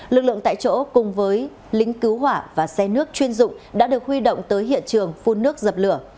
lực lượng tại chỗ cùng với lính cứu hỏa và xe nước chuyên dụng đã được huy động tới hiện trường phun nước dập lửa